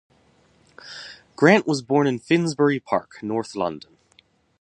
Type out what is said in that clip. Grant was born in Finsbury Park, North London.